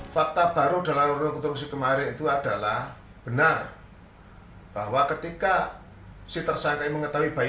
fakta baru dalam rekonstruksi kemarin itu adalah benar bahwa ketika si tersangka mengetahui bayi